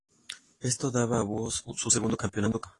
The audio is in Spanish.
Esto daba a Búhos su segundo campeonato.